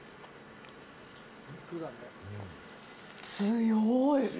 強い。